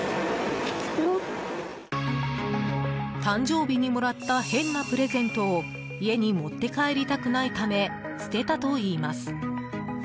誕生日にもらった変なプレゼントを家に持って帰りたくないため捨てたといいます。